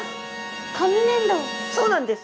そうなんです。